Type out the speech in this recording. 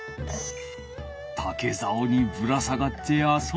竹ざおにぶら下がってあそんでおる。